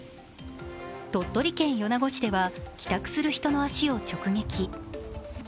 鳥取県米子市では帰宅する人の足を直撃。